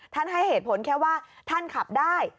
ให้เหตุผลแค่ว่าท่านขับได้